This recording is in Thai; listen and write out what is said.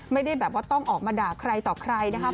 ไม่ได้แบบว่าต้องออกมาด่าใครต่อใครนะครับ